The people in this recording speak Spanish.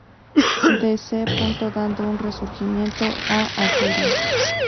De C., dando un resurgimiento a Asiria.